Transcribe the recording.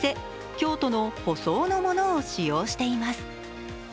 京都のＨＯＳＯＯのものを使用しています。